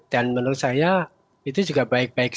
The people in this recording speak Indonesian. dan menurut saya itu juga baik baik